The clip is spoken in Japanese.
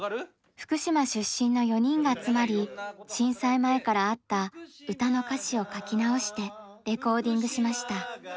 福島出身の４人が集まり震災前からあった歌の歌詞を書き直してレコーディングしました。